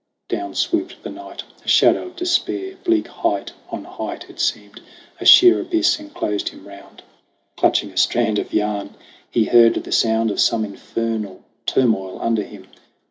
Down swooped the night, A shadow of despair. Bleak height on height, It seemed, a sheer abyss enclosed him round. Clutching a strand of yarn, he heard the sound Of some infernal turmoil under him.